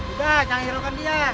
sudah jangan hiraukan dia